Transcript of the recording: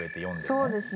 そうですね。